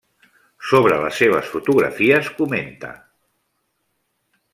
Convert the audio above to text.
Sobre les seves fotografies comenta.